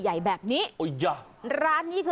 ใหญ่แบบนี้ร้านนี้